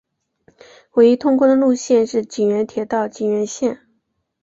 唯一通过的路线是井原铁道井原线。